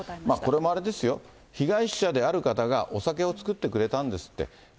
これもあれですよ、被害者である方が、お酒を作ってくれたんですって。